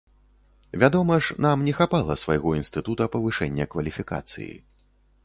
Вядома ж, нам не хапала свайго інстытута павышэння кваліфікацыі.